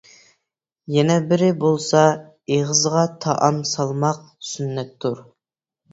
يەنە بىرى بولسا، ئېغىزغا تائام سالماق سۈننەتتۇر.